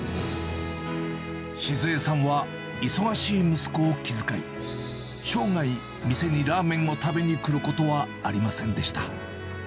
静枝さんは忙しい息子を気遣い、生涯、店にラーメンを食べに来ることはありませんでした。